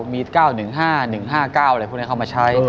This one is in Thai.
มี๙๑๕๑๕๙อะไรพวกนี้เข้ามาใช้